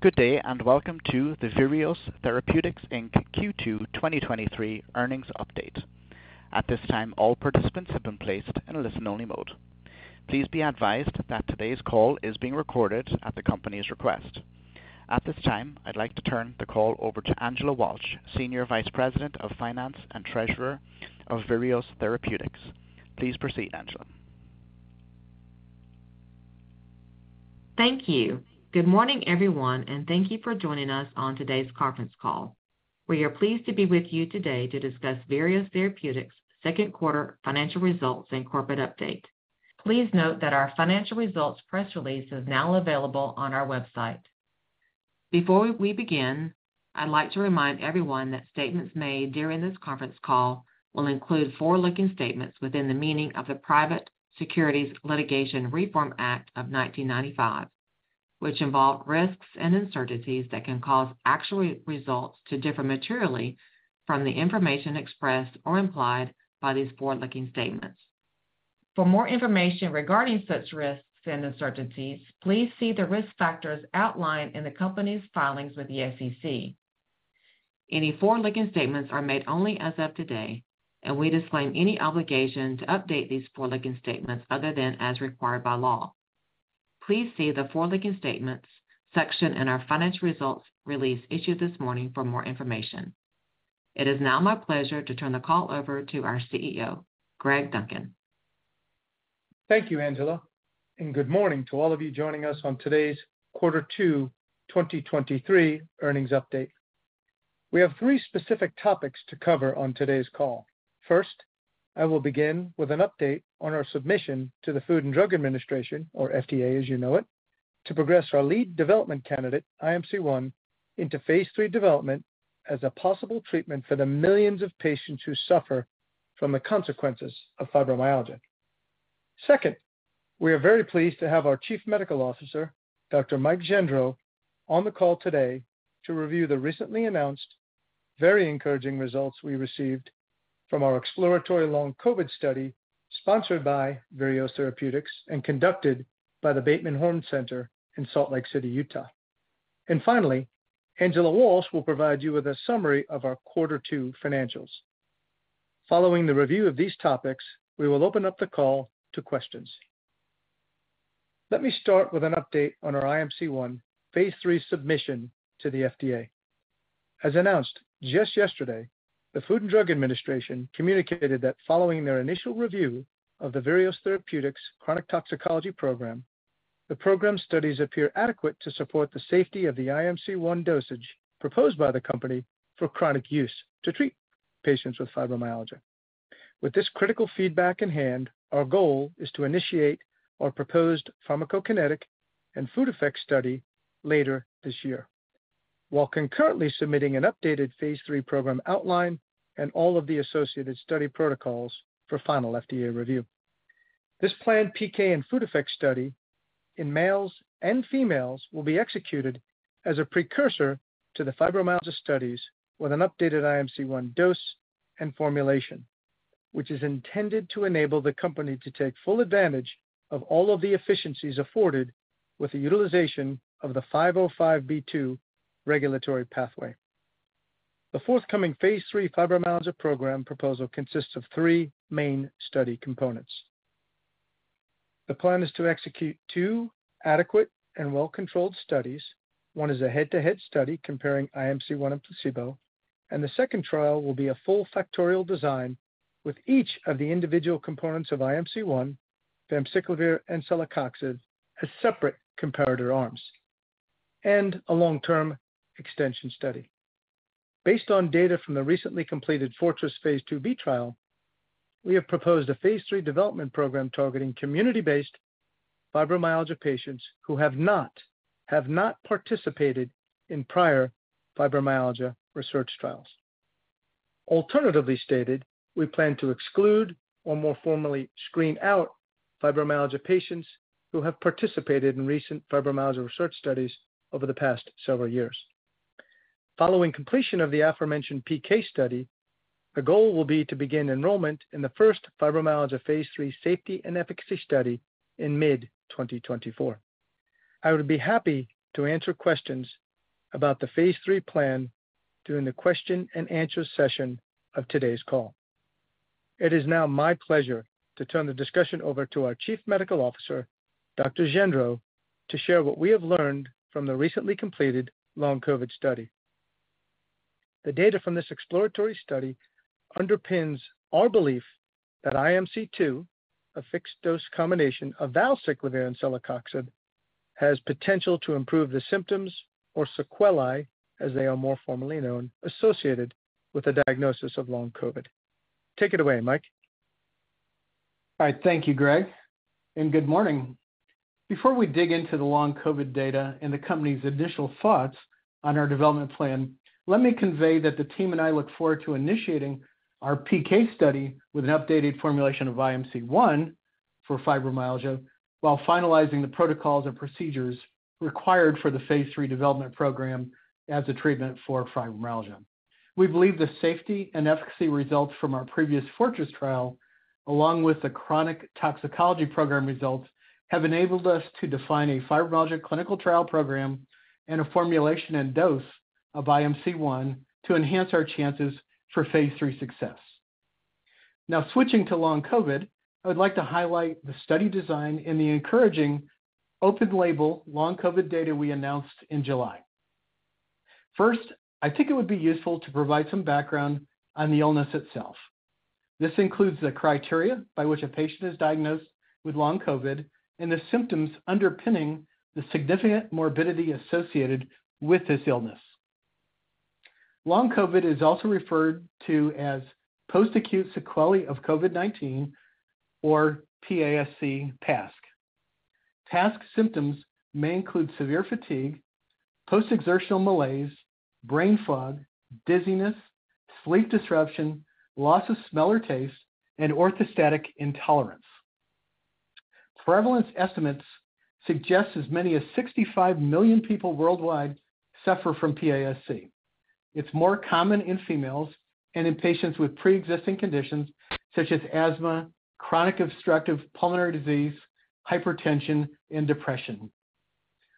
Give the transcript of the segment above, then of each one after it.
Good day. Welcome to the Virios Therapeutics Q2 2023 earnings update. At this time, all participants have been placed in a listen-only mode. Please be advised that today's call is being recorded at the company's request. At this time, I'd like to turn the call over to Angela Walsh, Senior Vice President of Finance and Treasurer of Virios Therapeutics. Please proceed, Angela. Thank you. Good morning, everyone, and thank you for joining us on today's conference call. We are pleased to be with you today to discuss Virios Therapeutics' second quarter financial results and corporate update. Please note that our financial results press release is now available on our website. Before we begin, I'd like to remind everyone that statements made during this conference call will include forward-looking statements within the meaning of the Private Securities Litigation Reform Act of 1995, which involve risks and uncertainties that can cause actual results to differ materially from the information expressed or implied by these forward-looking statements. For more information regarding such risks and uncertainties, please see the risk factors outlined in the company's filings with the SEC. Any forward-looking statements are made only as of today, and we disclaim any obligation to update these forward-looking statements other than as required by law. Please see the forward-looking statements section in our financial results release issued this morning for more information. It is now my pleasure to turn the call over to our CEO, Greg Duncan. Thank you, Angela. Good morning to all of you joining us on today's quarter two 2023 earnings update. We have three specific topics to cover on today's call. First, I will begin with an update on our submission to the Food and Drug Administration, or FDA as you know it, to progress our lead development candidate, IMC-1, into phase III development as a possible treatment for the millions of patients who suffer from the consequences of fibromyalgia. Second, we are very pleased to have our Chief Medical Officer, Dr. Mike Gendreau, on the call today to review the recently announced very encouraging results we received from our exploratory Long COVID study, sponsored by Virios Therapeutics and conducted by the Bateman Horne Center in Salt Lake City, Utah. Finally, Angela Walsh will provide you with a summary of our quarter two financials. Following the review of these topics, we will open up the call to questions. Let me start with an update on our IMC-1 phase III submission to the FDA. As announced just yesterday, the Food and Drug Administration communicated that following their initial review of the Virios Therapeutics chronic toxicology program, the program studies appear adequate to support the safety of the IMC-1 dosage proposed by the company for chronic use to treat patients with fibromyalgia. With this critical feedback in hand, our goal is to initiate our proposed pharmacokinetic and food effect study later this year, while concurrently submitting an updated phase III program outline and all of the associated study protocols for final FDA review. This planned PK and food effect study in males and females will be executed as a precursor to the fibromyalgia studies with an updated IMC-1 dose and formulation, which is intended to enable the company to take full advantage of all of the efficiencies afforded with the utilization of the 505(b)(2) regulatory pathway. The forthcoming phase III fibromyalgia program proposal consists of three main study components. The plan is to execute two adequate and well-controlled studies. One is a head-to-head study comparing IMC-1 and placebo, and the second trial will be a full factorial design, with each of the individual components of IMC-1, famciclovir and celecoxib, as separate comparator arms, and a long-term extension study. Based on data from the recently completed FORTRESS phase II-B trial, we have proposed a phase III development program targeting community-based fibromyalgia patients who have not participated in prior fibromyalgia research trials. Alternatively stated, we plan to exclude, or more formally, screen out fibromyalgia patients who have participated in recent fibromyalgia research studies over the past several years. Following completion of the aforementioned PK study, the goal will be to begin enrollment in the first fibromyalgia phase III safety and efficacy study in mid 2024. I would be happy to answer questions about the phase III plan during the question and answer session of today's call. It is now my pleasure to turn the discussion over to our Chief Medical Officer, Dr. Gendreau, to share what we have learned from the recently completed Long COVID study. The data from this exploratory study underpins our belief that IMC-2, a fixed-dose combination of valacyclovir and celecoxib, has potential to improve the symptoms or sequelae, as they are more formally known, associated with a diagnosis of Long COVID. Take it away, Mike. All right. Thank you, Greg. Good morning. Before we dig into the Long COVID data and the company's initial thoughts on our development plan, let me convey that the team and I look forward to initiating our PK study with an updated formulation of IMC-1 for fibromyalgia while finalizing the protocols and procedures required for the phase III development program as a treatment for fibromyalgia. We believe the safety and efficacy results from our previous FORTRESS trial, along with the chronic toxicology program results, have enabled us to define a fibromyalgia clinical trial program and a formulation and dose of IMC-1 to enhance our chances for phase III success. Now, switching to Long COVID, I would like to highlight the study design and the encouraging open-label Long COVID data we announced in July. First, I think it would be useful to provide some background on the illness itself. This includes the criteria by which a patient is diagnosed with Long COVID and the symptoms underpinning the significant morbidity associated with this illness. Long COVID is also referred to as Post-Acute Sequelae of COVID-19 or P-A-S-C, PASC. PASC symptoms may include severe fatigue, post-exertional malaise, brain fog, dizziness, sleep disruption, loss of smell or taste, and orthostatic intolerance. Prevalence estimates suggest as many as 65 million people worldwide suffer from PASC. It's more common in females and in patients with preexisting conditions such as asthma, chronic obstructive pulmonary disease, hypertension, and depression.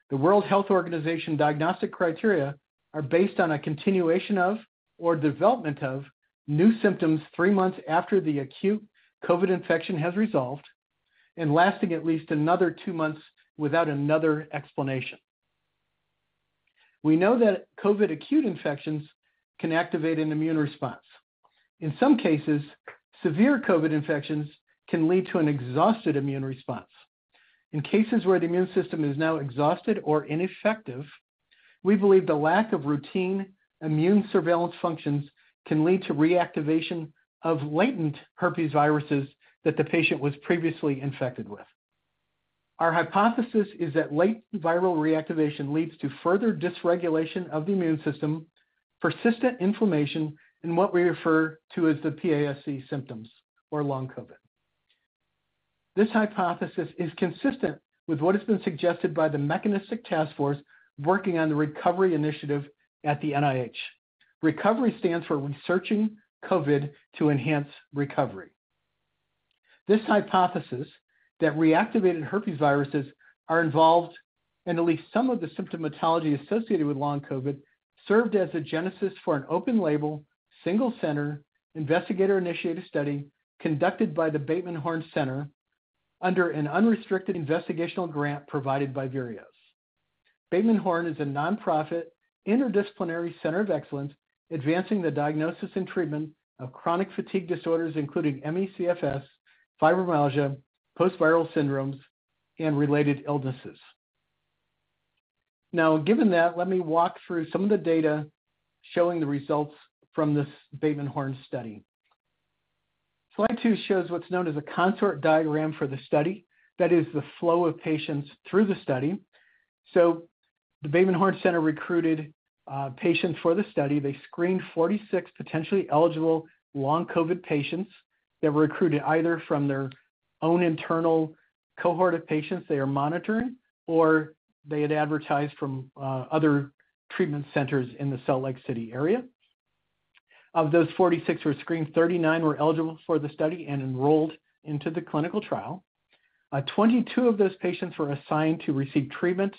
The World Health Organization diagnostic criteria are based on a continuation of or development of new symptoms three months after the acute COVID infection has resolved and lasting at least another two months without another explanation. We know that COVID acute infections can activate an immune response. In some cases, severe COVID infections can lead to an exhausted immune response. In cases where the immune system is now exhausted or ineffective, we believe the lack of routine immune surveillance functions can lead to reactivation of latent herpesviruses that the patient was previously infected with. Our hypothesis is that latent viral reactivation leads to further dysregulation of the immune system, persistent inflammation, and what we refer to as the PASC symptoms or Long COVID. This hypothesis is consistent with what has been suggested by the mechanistic task force working on the RECOVER initiative at the NIH. RECOVER stands for Researching COVID to Enhance Recovery. This hypothesis that reactivated herpesviruses are involved in at least some of the symptomatology associated with Long COVID, served as a genesis for an open-label, single-center, investigator-initiated study conducted by the Bateman Horne Center under an unrestricted investigational grant provided by Virios. Bateman Horne is a nonprofit, interdisciplinary center of excellence, advancing the diagnosis and treatment of chronic fatigue disorders, including ME/CFS, fibromyalgia, post-viral syndromes, and related illnesses. Now, given that, let me walk through some of the data showing the results from this Bateman Horne study. Slide 2 shows what's known as a CONSORT diagram for the study. That is the flow of patients through the study. The Bateman Horne Center recruited patients for the study. They screened 46 potentially eligible Long COVID patients that were recruited either from their own internal cohort of patients they are monitoring, or they had advertised from other treatment centers in the Salt Lake City area. Of those 46 who were screened, 39 were eligible for the study and enrolled into the clinical trial. 22 of those patients were assigned to receive treatment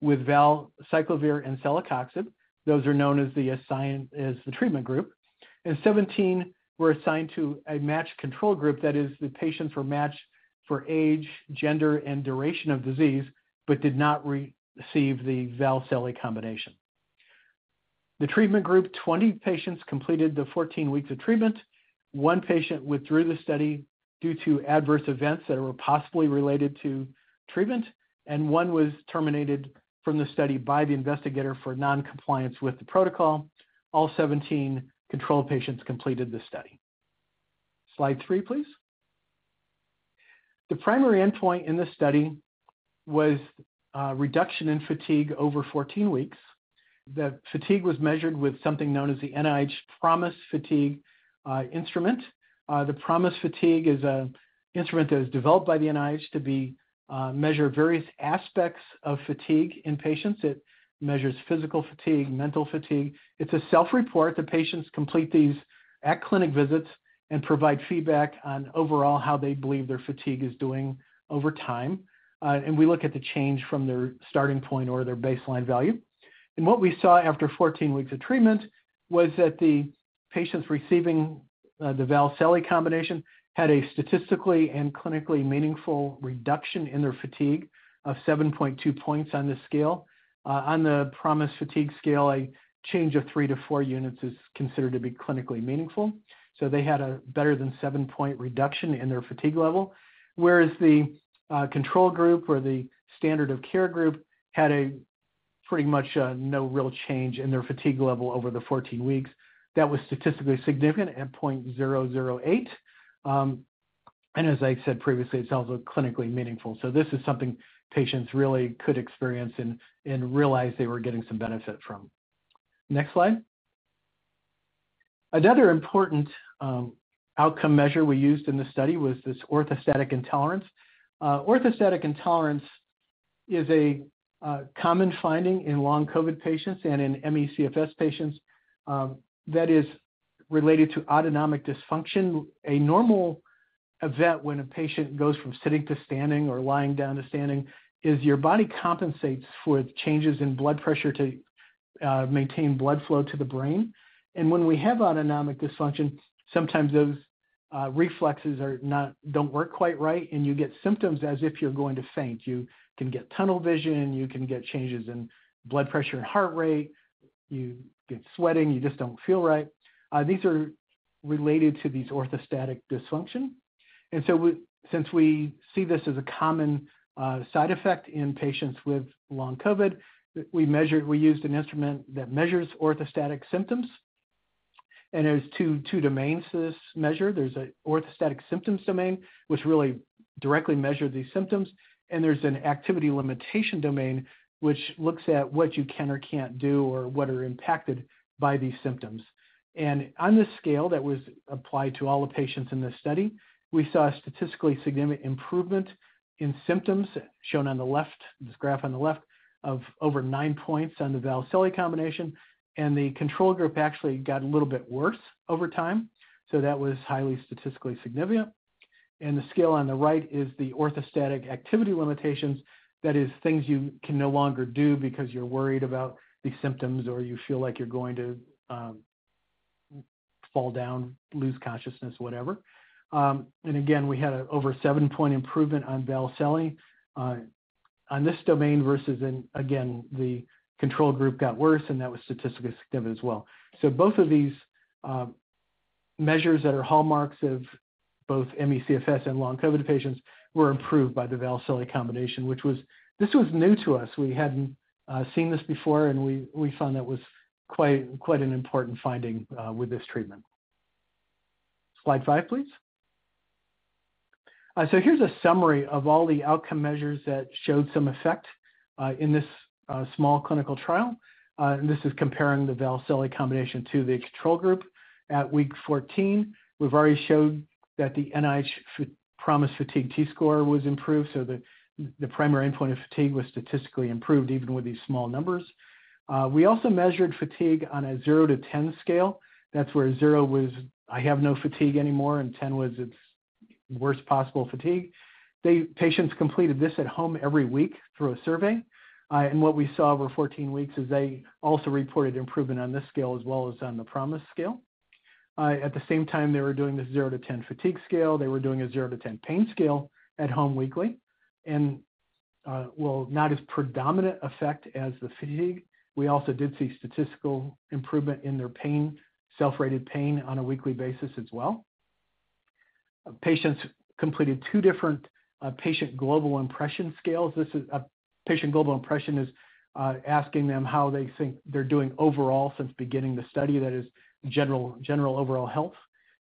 with valacyclovir and celecoxib. Those are known as the assigned as the treatment group, and 17 were assigned to a matched control group. That is, the patients were matched for age, gender, and duration of disease but did not receive the valceli combination. The treatment group, 20 patients completed the 14 weeks of treatment. One patient withdrew the study due to adverse events that were possibly related to treatment, and 1 was terminated from the study by the investigator for non-compliance with the protocol. All 17 control patients completed the study. Slide 3, please. The primary endpoint in this study was reduction in fatigue over 14 weeks. The fatigue was measured with something known as the NIH PROMIS Fatigue Instrument. The PROMIS Fatigue is an instrument that was developed by the NIH to be measure various aspects of fatigue in patients. It measures physical fatigue, mental fatigue. It's a self-report. The patients complete these at clinic visits and provide feedback on overall how they believe their fatigue is doing over time. We look at the change from their starting point or their baseline value. What we saw after 14 weeks of treatment was that the patients receiving the Valceli combination had a statistically and clinically meaningful reduction in their fatigue of 7.2 points on the scale. On the PROMIS Fatigue Scale, a change of three to four units is considered to be clinically meaningful, so they had a better than 7-point reduction in their fatigue level, whereas the control group or the standard of care group had a pretty much no real change in their fatigue level over the 14 weeks. That was statistically significant at 0.008. As I said previously, it's also clinically meaningful. This is something patients really could experience and, and realize they were getting some benefit from. Next slide. Another important outcome measure we used in the study was this orthostatic intolerance. Orthostatic intolerance is a common finding in Long COVID patients and in ME/CFS patients, that is related to autonomic dysfunction. A normal event when a patient goes from sitting to standing or lying down to standing, is your body compensates for the changes in blood pressure to maintain blood flow to the brain. When we have autonomic dysfunction, sometimes those reflexes don't work quite right, and you get symptoms as if you're going to faint. You can get tunnel vision, you can get changes in blood pressure and heart rate. You get sweating, you just don't feel right. These are related to these orthostatic dysfunction. Since we see this as a common side effect in patients with Long COVID, we measured, we used an instrument that measures orthostatic symptoms, and there's two domains to this measure. There's a orthostatic symptoms domain, which really directly measure these symptoms, and there's an activity limitation domain, which looks at what you can or can't do or what are impacted by these symptoms. On this scale that was applied to all the patients in this study, we saw a statistically significant improvement in symptoms shown on the left, this graph on the left, of over nine points on the valacyclovir combination, and the control group actually got a little bit worse over time. That was highly statistically significant. The scale on the right is the orthostatic activity limitations. That is, things you can no longer do because you're worried about these symptoms, or you feel like you're going to fall down, lose consciousness, whatever. Again, we had a over 7-point improvement on valacyclovir on this domain versus in, again, the control group got worse, and that was statistically significant as well. Both of these measures that are hallmarks of both ME/CFS and Long COVID patients were improved by the valacyclovir combination, this was new to us. We hadn't seen this before, and we, we found that was quite, quite an important finding with this treatment. Slide 5, please. Here's a summary of all the outcome measures that showed some effect in this small clinical trial. This is comparing the valacyclovir combination to the control group. At week 14, we've already showed that the NIH PROMIS Fatigue T-score was improved, so the primary endpoint of fatigue was statistically improved even with these small numbers. We also measured fatigue on a 0-10 scale. That's where zero was, "I have no fatigue anymore," and 10 was its worst possible fatigue. Patients completed this at home every week through a survey. What we saw over 14 weeks is they also reported improvement on this scale as well as on the PROMIS scale. At the same time, they were doing this 0-10 fatigue scale, they were doing a 0-10 pain scale at home weekly, and while not as predominant effect as the fatigue, we also did see statistical improvement in their pain, self-rated pain on a weekly basis as well. Patients completed two different Patient Global Impression scales. This is Patient Global Impression is asking them how they think they're doing overall since beginning the study, that is general, general overall health.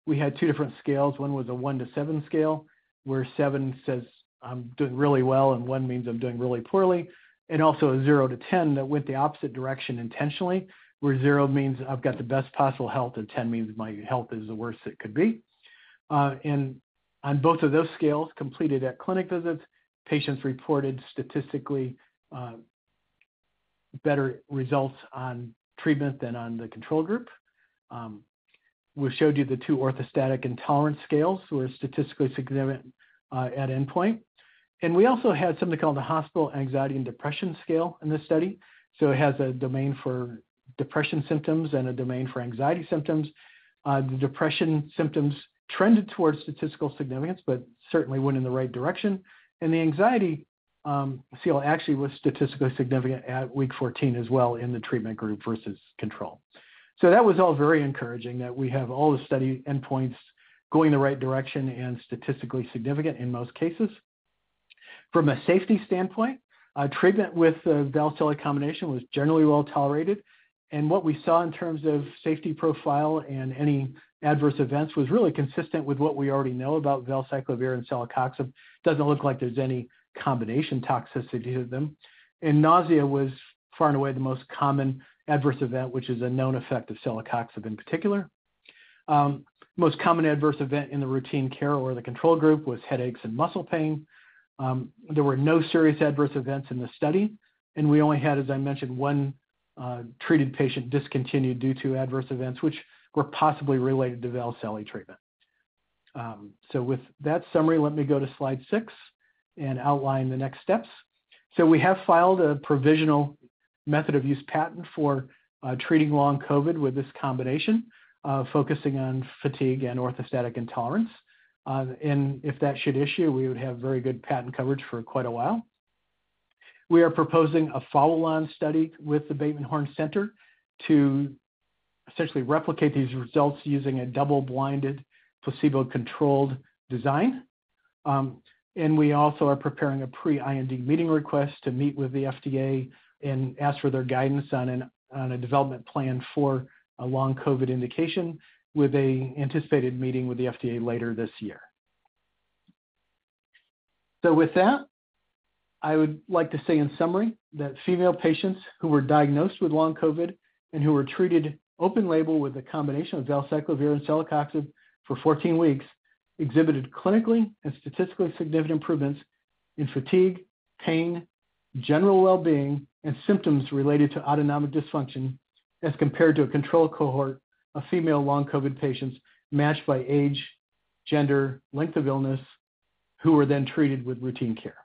We had two different scales. One was a one to seven scale, where seven says, "I'm doing really well," and one means I'm doing really poorly, and also a zero to 10 that went the opposite direction intentionally, where zero means I've got the best possible health, and 10 means my health is the worst it could be. On both of those scales, completed at clinic visits, patients reported statistically better results on treatment than on the control group. We showed you the two orthostatic intolerance scales, were statistically significant at endpoint. We also had something called the Hospital Anxiety and Depression Scale in this study. It has a domain for depression symptoms and a domain for anxiety symptoms. The depression symptoms trended towards statistical significance, certainly went in the right direction. The anxiety scale actually was statistically significant at week 14 as well in the treatment group versus control. That was all very encouraging, that we have all the study endpoints going in the right direction and statistically significant in most cases. From a safety standpoint, treatment with the valacyclovir combination was generally well tolerated, and what we saw in terms of safety profile and any adverse events was really consistent with what we already know about valacyclovir and celecoxib. Doesn't look like there's any combination toxicity to them. Nausea was far and away the most common adverse event, which is a known effect of celecoxib in particular. Most common adverse event in the routine care or the control group was headaches and muscle pain. There were no serious adverse events in the study, and we only had, as I mentioned, one treated patient discontinued due to adverse events, which were possibly related to valacyclovir treatment. With that summary, let me go to slide 6 and outline the next steps. We have filed a provisional method of use patent for treating Long COVID with this combination, focusing on fatigue and orthostatic intolerance. If that should issue, we would have very good patent coverage for quite a while. We are proposing a follow-on study with the Bateman Horne Center to essentially replicate these results using a double-blinded, placebo-controlled design. We also are preparing a pre-IND meeting request to meet with the FDA and ask for their guidance on a development plan for a Long COVID indication, with an anticipated meeting with the FDA later this year. With that, I would like to say in summary, that female patients who were diagnosed with Long COVID and who were treated open label with a combination of valacyclovir and celecoxib for 14 weeks, exhibited clinically and statistically significant improvements in fatigue, pain, general well-being, and symptoms related to autonomic dysfunction, as compared to a control cohort of female Long COVID patients matched by age, gender, length of illness, who were then treated with routine care.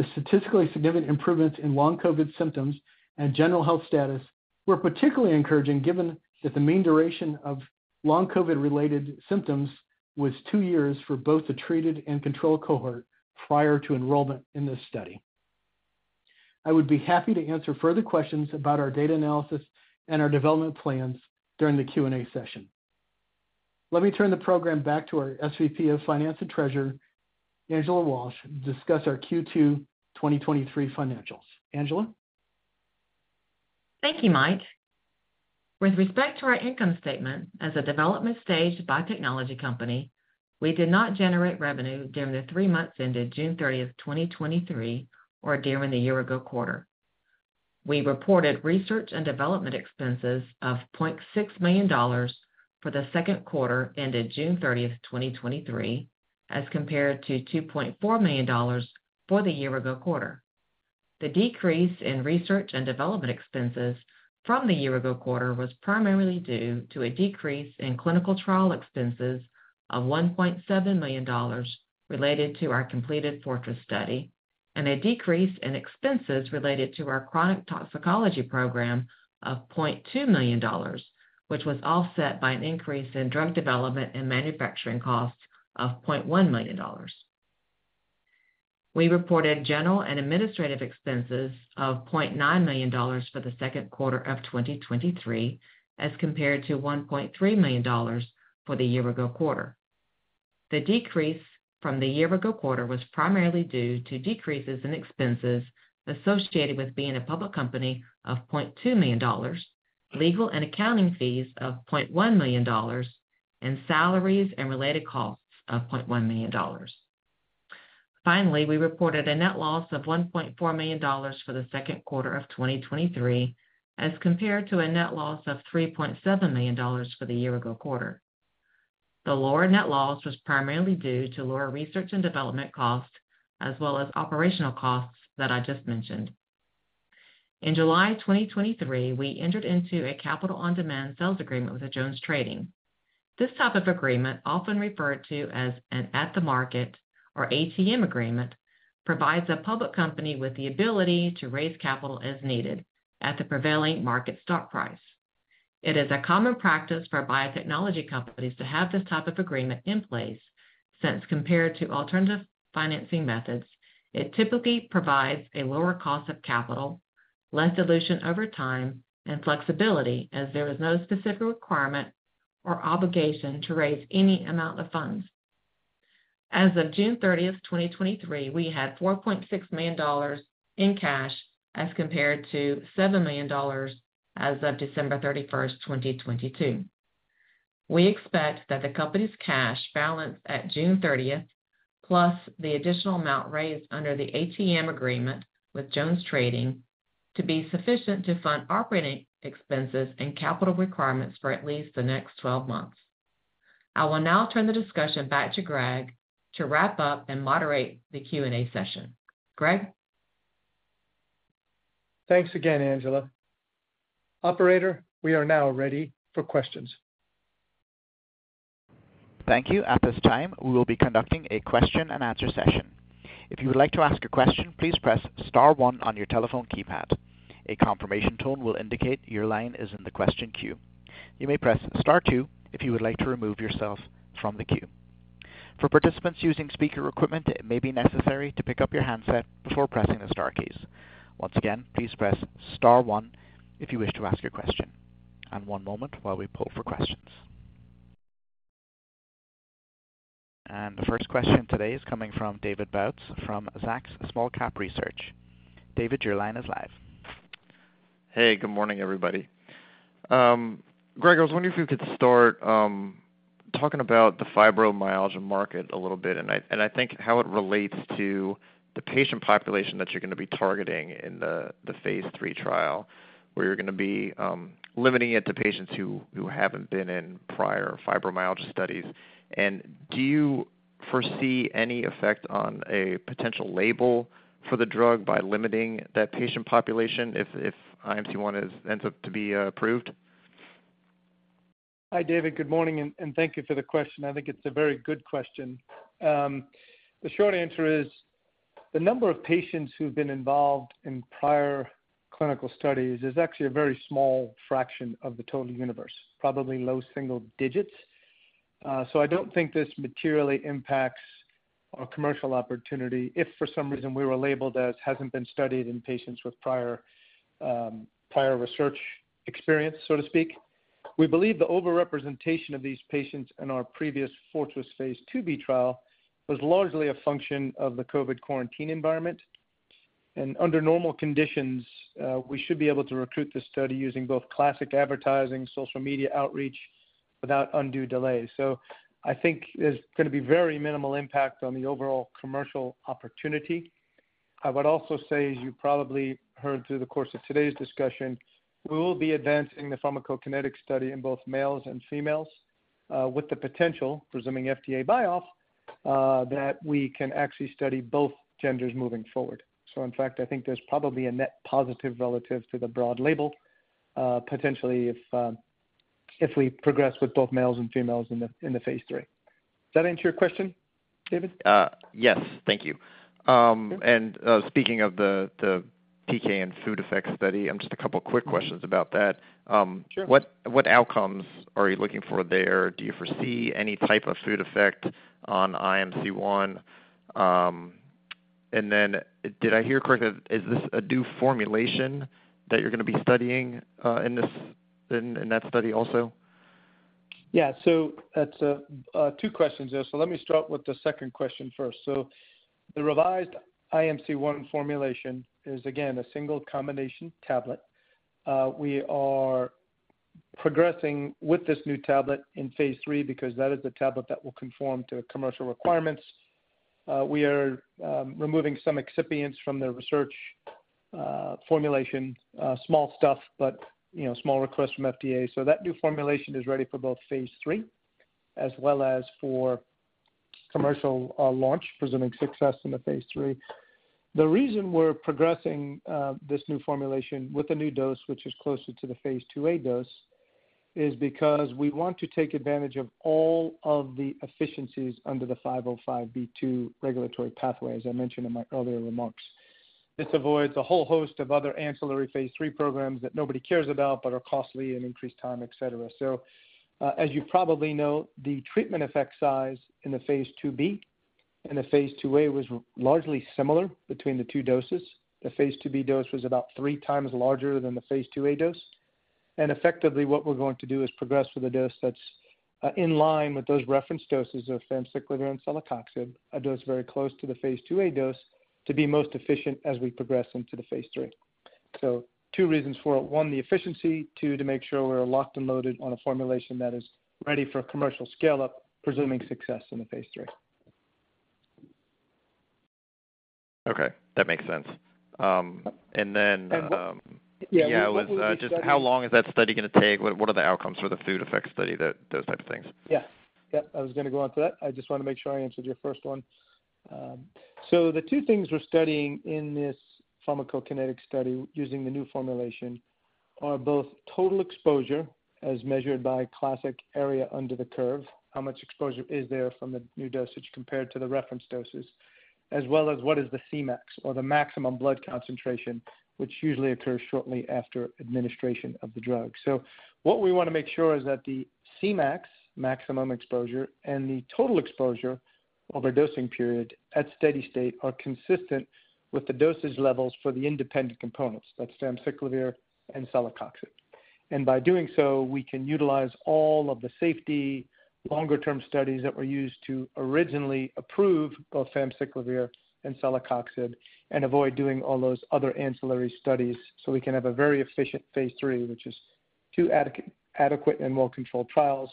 The statistically significant improvements in Long COVID symptoms and general health status were particularly encouraging, given that the mean duration of Long COVID-related symptoms was two years for both the treated and control cohort prior to enrollment in this study. I would be happy to answer further questions about our data analysis and our development plans during the Q&A session. Let me turn the program back to our SVP of Finance and Treasurer, Angela Walsh, to discuss our Q2 2023 financials. Angela? Thank you, Mike. With respect to our income statement, as a development stage biotechnology company, we did not generate revenue during the three months ended June 30, 2023, or during the year ago quarter. We reported research and development expenses of $0.6 million for the second quarter ended June 30, 2023, as compared to $2.4 million for the year ago quarter. The decrease in research and development expenses from the year ago quarter was primarily due to a decrease in clinical trial expenses of $1.7 million related to our completed FORTRESS study, and a decrease in expenses related to our chronic toxicology program of $0.2 million, which was offset by an increase in drug development and manufacturing costs of $0.1 million. We reported general and administrative expenses of $0.9 million for the second quarter of 2023, as compared to $1.3 million for the year ago quarter. The decrease from the year ago quarter was primarily due to decreases in expenses associated with being a public company of $0.2 million, legal and accounting fees of $0.1 million, and salaries and related costs of $0.1 million. Finally, we reported a net loss of $1.4 million for the second quarter of 2023, as compared to a net loss of $3.7 million for the year ago quarter. The lower net loss was primarily due to lower research and development costs, as well as operational costs that I just mentioned. In July 2023, we entered into a Capital on Demand Sales Agreement with JonesTrading. This type of agreement, often referred to as an at-the-market, or ATM agreement, provides a public company with the ability to raise capital as needed at the prevailing market stock price. It is a common practice for biotechnology companies to have this type of agreement in place, since compared to alternative financing methods, it typically provides a lower cost of capital, less dilution over time, and flexibility, as there is no specific requirement or obligation to raise any amount of funds. As of June 30, 2023, we had $4.6 million in cash, as compared to $7 million as of December 31, 2022. We expect that the company's cash balance at June 30, plus the additional amount raised under the ATM agreement with JonesTrading, to be sufficient to fund operating expenses and capital requirements for at least the next 12 months. I will now turn the discussion back to Greg to wrap up and moderate the Q&A session. Greg? Thanks again, Angela. Operator, we are now ready for questions. Thank you. At this time, we will be conducting a question and answer session. If you would like to ask a question, please press star one on your telephone keypad. A confirmation tone will indicate your line is in the question queue. You may press star two if you would like to remove yourself from the queue. For participants using speaker equipment, it may be necessary to pick up your handset before pressing the star keys. Once again, please press star one if you wish to ask a question. One moment while we pull for questions. The first question today is coming from David Bautz, from Zacks Small Cap Research. David, your line is live. Hey, good morning, everybody. Greg, I was wondering if you could start talking about the fibromyalgia market a little bit, and I, and I think how it relates to the patient population that you're going to be targeting in the phase III trial, where you're going to be limiting it to patients who, who haven't been in prior fibromyalgia studies. Do you foresee any effect on a potential label for the drug by limiting that patient population if, if IMC-1 is, ends up to be approved? Hi, David. Good morning, and thank you for the question. I think it's a very good question. The short answer is, the number of patients who've been involved in prior clinical studies is actually a very small fraction of the total universe, probably low single digits. I don't think this materially impacts our commercial opportunity if for some reason we were labeled as hasn't been studied in patients with prior, prior research experience, so to speak. We believe the overrepresentation of these patients in our previous FORTRESS phase II-B trial was largely a function of the COVID quarantine environment. Under normal conditions, we should be able to recruit this study using both classic advertising, social media outreach, without undue delay. I think there's going to be very minimal impact on the overall commercial opportunity.... I would also say, as you probably heard through the course of today's discussion, we will be advancing the pharmacokinetic study in both males and females, with the potential, presuming FDA buy off, that we can actually study both genders moving forward. In fact, I think there's probably a net positive relative to the broad label, potentially if we progress with both males and females in the phase III. Does that answer your question, David? Yes, thank you. Speaking of the, the PK and food effects study, just a couple quick questions about that. Sure. What, what outcomes are you looking for there? Do you foresee any type of food effect on IMC-1? Did I hear correctly, is this a new formulation that you're going to be studying in this, in that study also? Yeah. That's two questions there. Let me start with the second question first. The revised IMC-1 formulation is, again, a single combination tablet. We are progressing with this new tablet in phase III because that is the tablet that will conform to commercial requirements. We are removing some excipients from the research formulation, small stuff, but, you know, small request from FDA. That new formulation is ready for both phase III as well as for commercial launch, presuming success in the phase III. The reason we're progressing this new formulation with a new dose, which is closer to the phase II-A dose, is because we want to take advantage of all of the efficiencies under the 505(b)(2) regulatory pathway, as I mentioned in my earlier remarks. This avoids a whole host of other ancillary phase III programs that nobody cares about, but are costly and increase time, etcetera. As you probably know, the treatment effect size in the phase II-B and the phase II-A was largely similar between the two doses. The phase II-B dose was about three times larger than the phase II-A dose. Effectively, what we're going to do is progress with a dose that's, in line with those reference doses of famciclovir and celecoxib, a dose very close to the phase II-A dose, to be most efficient as we progress into the phase III. Two reasons for it. One, the efficiency, two, to make sure we're locked and loaded on a formulation that is ready for commercial scale-up, presuming success in the phase III. Okay, that makes sense. Yeah. Just how long is that study going to take? What, what are the outcomes for the food effect study, those type of things? Yeah. Yep, I was going to go on to that. I just want to make sure I answered your first one. The two things we're studying in this pharmacokinetic study using the new formulation are both total exposure as measured by classic area under the curve, how much exposure is there from the new dosage compared to the reference doses, as well as what is the Cmax, or the maximum blood concentration, which usually occurs shortly after administration of the drug. What we want to make sure is that the Cmax, maximum exposure, and the total exposure over dosing period at steady state are consistent with the dosage levels for the independent components, that's famciclovir and celecoxib. By doing so, we can utilize all of the safety, longer-term studies that were used to originally approve both famciclovir and celecoxib and avoid doing all those other ancillary studies. We can have a very efficient phase III, which is two adequate, adequate and well-controlled trials,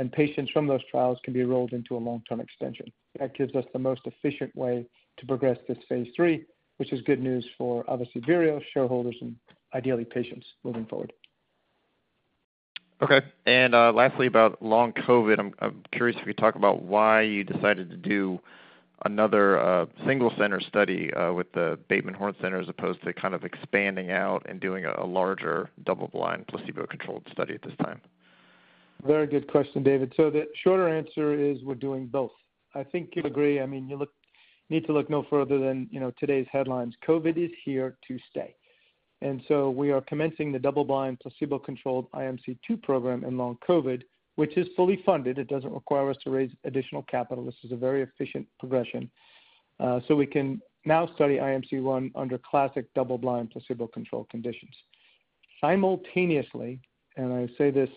and patients from those trials can be enrolled into a long-term extension. That gives us the most efficient way to progress this phase III, which is good news for obviously Virios shareholders and ideally patients moving forward. Okay. Lastly, about Long COVID, I'm, I'm curious if you talk about why you decided to do another single center study with the Bateman Horne Center, as opposed to kind of expanding out and doing a larger double-blind, placebo-controlled study at this time? Very good question, David. The shorter answer is we're doing both. I think you'd agree, I mean, you need to look no further than, you know, today's headlines. COVID is here to stay. We are commencing the double-blind, placebo-controlled IMC-2 program in Long COVID, which is fully funded. It doesn't require us to raise additional capital. This is a very efficient progression. We can now study IMC-1 under classic double-blind, placebo-controlled conditions. Simultaneously, I say this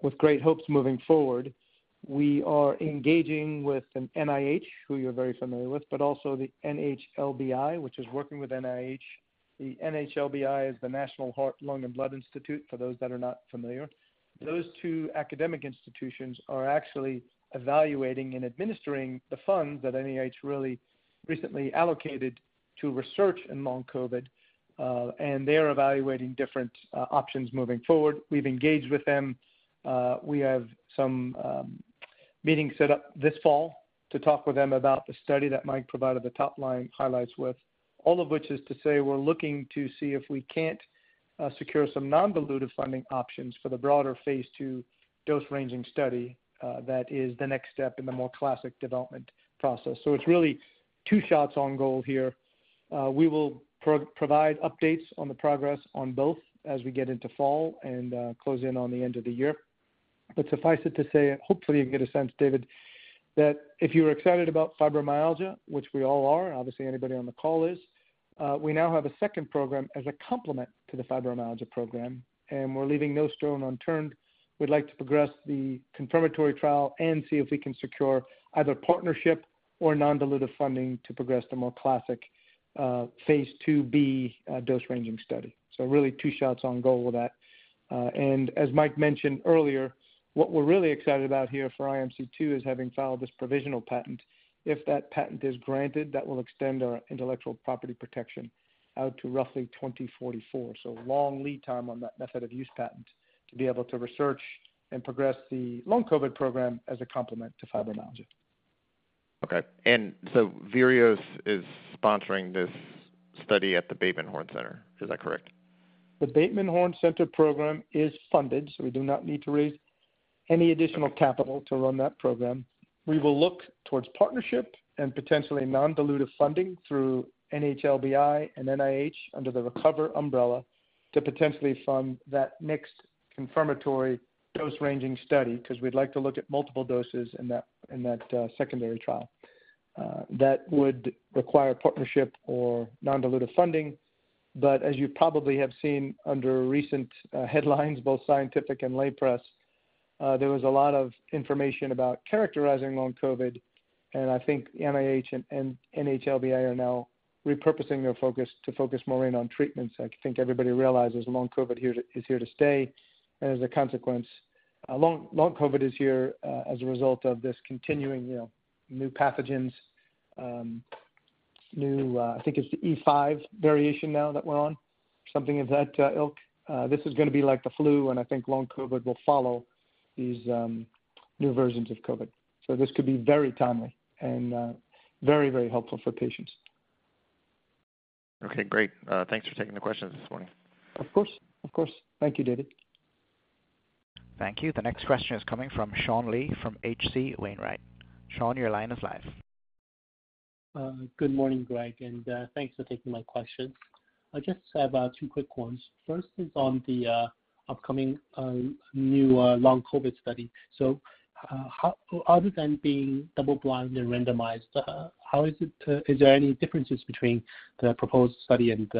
with great hopes moving forward, we are engaging with an NIH, who you're very familiar with, but also the NHLBI, which is working with NIH. The NHLBI is the National Heart, Lung, and Blood Institute, for those that are not familiar. Those two academic institutions are actually evaluating and administering the funds that NIH really recently allocated to research in Long COVID, and they are evaluating different options moving forward. We've engaged with them. We have some meetings set up this fall to talk with them about the study that Mike provided the top-line highlights with. All of which is to say, we're looking to see if we can't secure some non-dilutive funding options for the broader phase II dose-ranging study, that is the next step in the more classic development process. It's really two shots on goal here. We will provide updates on the progress on both as we get into fall and close in on the end of the year. Suffice it to say, hopefully, you get a sense, David, that if you were excited about fibromyalgia, which we all are, obviously anybody on the call is, we now have a second program as a complement to the fibromyalgia program, and we're leaving no stone unturned. We'd like to progress the confirmatory trial and see if we can secure either partnership or non-dilutive funding to progress the more classic, phase II-B, dose-ranging study. Really two shots on goal with that. As Mike mentioned earlier, what we're really excited about here for IMC-2 is having filed this provisional patent. If that patent is granted, that will extend our intellectual property protection out to roughly 2044. Long lead time on that method of use patent to be able to research and progress the Long COVID program as a complement to fibromyalgia. Okay, Virios is sponsoring this study at the Bateman Horne Center, is that correct? The Bateman Horne Center program is funded, we do not need to raise any additional capital to run that program. We will look towards partnership and potentially non-dilutive funding through NHLBI and NIH under the RECOVER umbrella to potentially fund that next confirmatory dose-ranging study, because we'd like to look at multiple doses in that, in that secondary trial. That would require partnership or non-dilutive funding. As you probably have seen under recent headlines, both scientific and lay press, there was a lot of information about characterizing Long COVID, and I think NIH and NHLBI are now repurposing their focus to focus more in on treatments. I think everybody realizes Long COVID here to is here to stay, and as a consequence, long, Long COVID is here, as a result of this continuing, you know, new pathogens, new, I think it's the E4, E5 variation now that we're on, something of that ilk. This is gonna be like the flu, and I think Long COVID will follow these, new versions of COVID. This could be very timely and very, very helpful for patients. Okay, great. Thanks for taking the questions this morning. Of course. Of course. Thank you, David. Thank you. The next question is coming from Sean Lee from H.C. Wainwright. Sean, your line is live. Good morning, Greg, and thanks for taking my questions. I just have two quick ones. First is on the upcoming new Long COVID study. How... other than being double blind and randomized, how is it, is there any differences between the proposed study and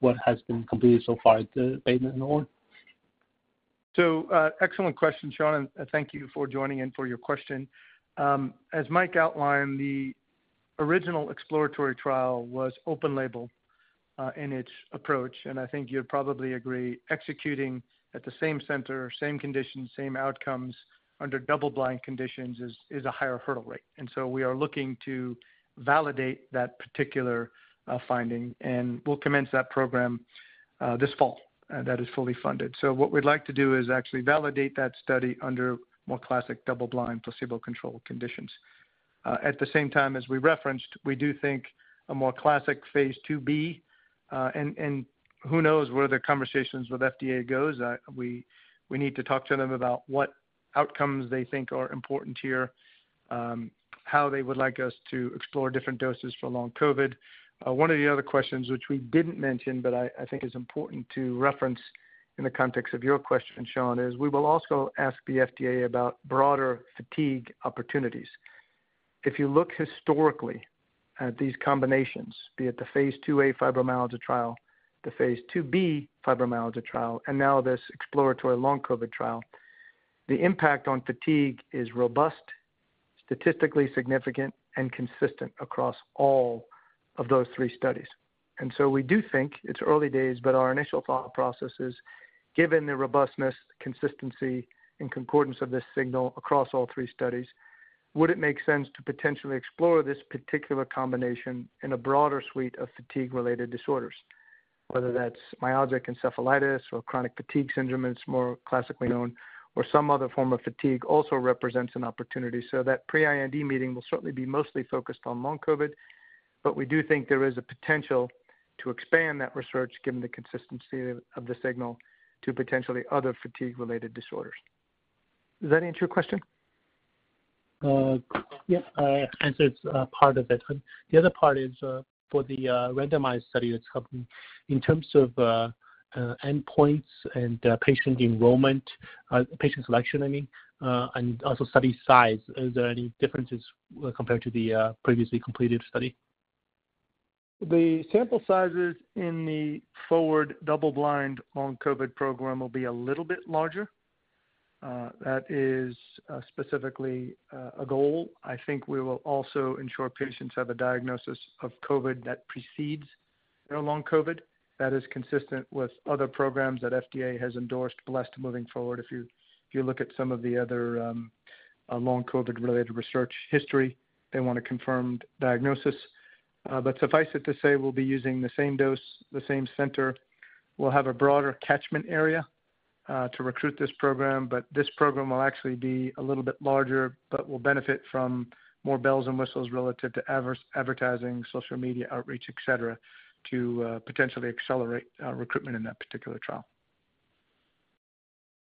what has been completed so far at the Bateman Horne? Excellent question, Sean, and thank you for joining in for your question. As Mike outlined, the original exploratory trial was open label in its approach, and I think you'd probably agree, executing at the same center, same conditions, same outcomes, under double-blind conditions is, is a higher hurdle rate. We are looking to validate that particular finding, and we'll commence that program this fall. That is fully funded. What we'd like to do is actually validate that study under more classic double-blind, placebo-controlled conditions. At the same time, as we referenced, we do think a more classic phase II-B, and, and who knows where the conversations with FDA goes? We, we need to talk to them about what outcomes they think are important here, how they would like us to explore different doses for Long COVID. One of the other questions, which we didn't mention, but I, I think is important to reference in the context of your question, Sean, is we will also ask the FDA about broader fatigue opportunities. If you look historically at these combinations, be it the phase II-A fibromyalgia trial, the phase II-B fibromyalgia trial, and now this exploratory Long COVID trial, the impact on fatigue is robust, statistically significant, and consistent across all of those three studies. We do think it's early days, but our initial thought process is, given the robustness, consistency, and concordance of this signal across all three studies, would it make sense to potentially explore this particular combination in a broader suite of fatigue-related disorders? Whether that's Myalgic Encephalomyelitis or chronic fatigue syndrome, it's more classically known, or some other form of fatigue also represents an opportunity. That pre-IND meeting will certainly be mostly focused on Long COVID, but we do think there is a potential to expand that research given the consistency of the signal to potentially other fatigue-related disorders. Does that answer your question? Yeah, answers, part of it. The other part is, for the, randomized study that's coming. In terms of, endpoints and, patient enrollment, patient selection, I mean, and also study size, is there any differences compared to the, previously completed study? The sample sizes in the forward double-blind Long COVID program will be a little bit larger. That is specifically a goal. I think we will also ensure patients have a diagnosis of COVID that precedes their Long COVID. That is consistent with other programs that FDA has endorsed, blessed moving forward. If you, if you look at some of the other Long COVID-related research history, they want a confirmed diagnosis. Suffice it to say, we'll be using the same dose, the same center. We'll have a broader catchment area to recruit this program, but this program will actually be a little bit larger but will benefit from more bells and whistles relative to advertising, social media outreach, etcetera, to potentially accelerate recruitment in that particular trial.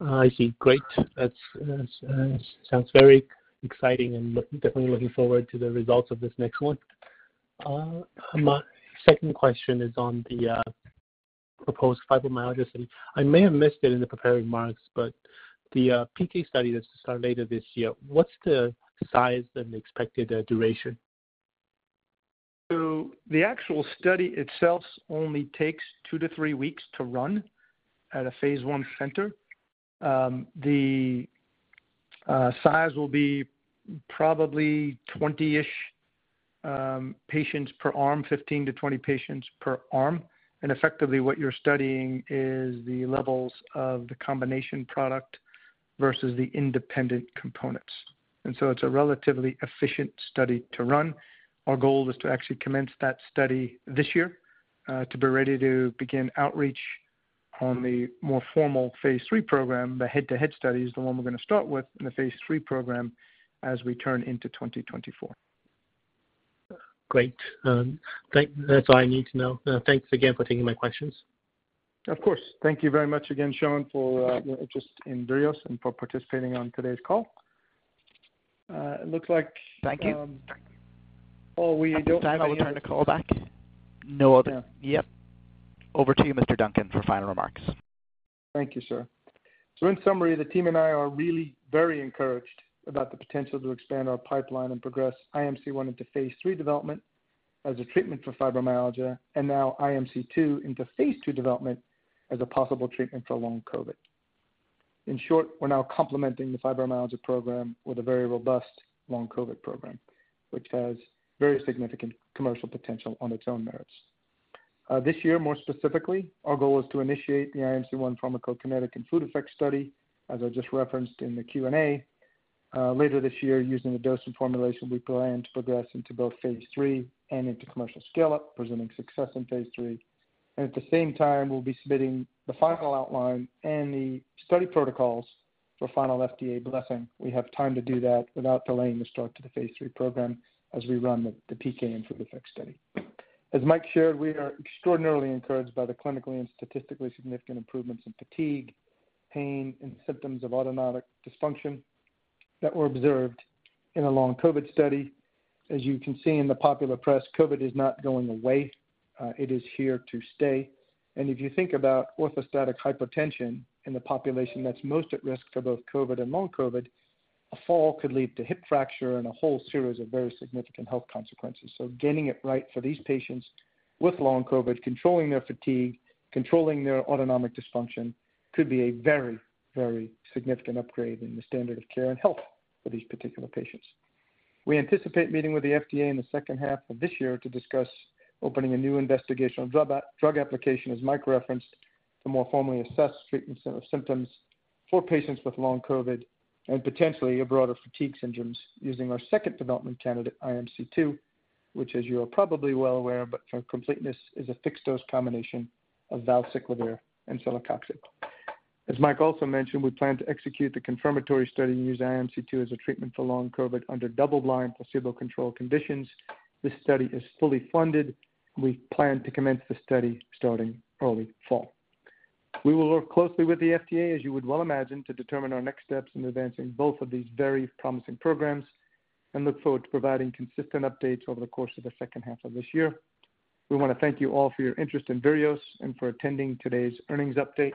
I see. Great. That's, sounds very exciting and look... definitely looking forward to the results of this next one. My second question is on the proposed fibromyalgia study. I may have missed it in the preparing marks, but the PK study that's to start later this year, what's the size and expected duration? The actual study itself only takes two to three weeks to run at a phase I center. The size will be probably 20-ish patients per arm, 15-20 patients per arm, and effectively what you're studying is the levels of the combination product versus the independent components. It's a relatively efficient study to run. Our goal is to actually commence that study this year to be ready to begin on the more formal phase III program, the head-to-head study is the one we're going to start with in the phase III program as we turn into 2024. Great. Great. That's all I need to know. Thanks again for taking my questions. Of course. Thank you very much again, Sean, for your interest in Virios and for participating on today's call. It looks like, Thank you. Well. I will turn the call back. No other. Yeah. Yep. Over to you, Mr. Duncan, for final remarks. Thank you, sir. In summary, the team and I are really very encouraged about the potential to expand our pipeline and progress IMC-1 into phase III development as a treatment for fibromyalgia, and now IMC-2 into phase II development as a possible treatment for Long COVID. In short, we're now complementing the fibromyalgia program with a very robust Long COVID program, which has very significant commercial potential on its own merits. This year, more specifically, our goal is to initiate the IMC-1 pharmacokinetic and food effect study, as I just referenced in the Q&A. Later this year, using the dose and formulation, we plan to progress into both phase III and into commercial scale-up, presenting success in phase III. At the same time, we'll be submitting the final outline and the study protocols for final FDA blessing. We have time to do that without delaying the start to the phase III program as we run the PK and food effect study. As Mike shared, we are extraordinarily encouraged by the clinically and statistically significant improvements in fatigue, pain, and symptoms of autonomic dysfunction that were observed in a Long COVID study. As you can see in the popular press, COVID is not going away. It is here to stay. If you think about orthostatic hypotension in the population that's most at risk for both COVID and Long COVID, a fall could lead to hip fracture and a whole series of very significant health consequences. Getting it right for these patients with Long COVID, controlling their fatigue, controlling their autonomic dysfunction, could be a very, very significant upgrade in the standard of care and health for these particular patients. We anticipate meeting with the FDA in the second half of this year to discuss opening a new investigational drug application, as Mike referenced, to more formally assess treatment of symptoms for patients with Long COVID and potentially a broader fatigue syndromes, using our second development candidate, IMC-2, which as you are probably well aware, but for completeness, is a fixed-dose combination of valacyclovir and celecoxib. As Mike also mentioned, we plan to execute the confirmatory study and use IMC-2 as a treatment for Long COVID under double-blind, placebo-controlled conditions. This study is fully funded. We plan to commence the study starting early fall. We will work closely with the FDA, as you would well imagine, to determine our next steps in advancing both of these very promising programs. Look forward to providing consistent updates over the course of the second half of this year. We want to thank you all for your interest in Virios Therapeutics and for attending today's earnings update.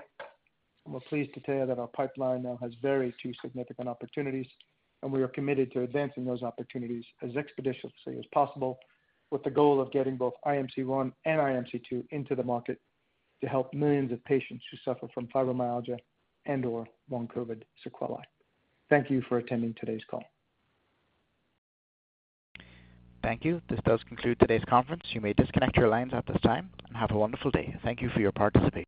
We're pleased to tell you that our pipeline now has very two significant opportunities, we are committed to advancing those opportunities as expeditiously as possible, with the goal of getting both IMC-1 and IMC-2 into the market to help millions of patients who suffer from fibromyalgia and/or Long COVID sequelae. Thank you for attending today's call. Thank you. This does conclude today's conference. You may disconnect your lines at this time, and have a wonderful day. Thank you for your participation.